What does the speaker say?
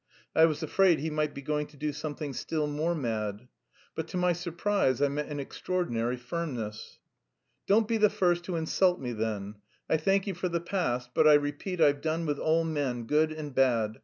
I was afraid he might be going to do something still more mad. But to my surprise I met an extraordinary firmness. "Don't be the first to insult me then. I thank you for the past, but I repeat I've done with all men, good and bad.